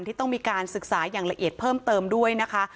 ที่ต้องมีการศึกษาอย่างละเอียดเพิ่มเติมด้วยนะคะ